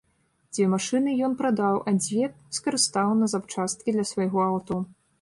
Дзве машыны ён прадаў, а дзве скарыстаў на запчасткі для свайго аўто.